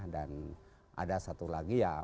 dan ada satu lagi ya